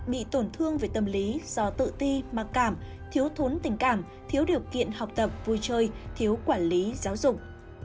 bị tổn thương về tâm lý do tự ti mặc cảm thiếu thốn tình cảm thiếu điều kiện học tập vui chơi thiếu quản lý giáo dục